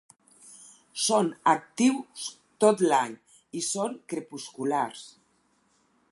Són actius tot l'any i són crepusculars.